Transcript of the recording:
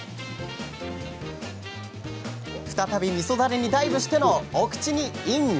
再び、みそダレにダイブしてのお口にイン。